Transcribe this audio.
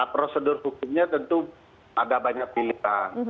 prosedur hukumnya tentu ada banyak pilihan